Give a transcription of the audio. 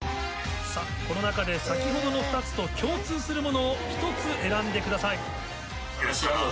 この中で先ほどの２つと共通するものを１つ選んでください。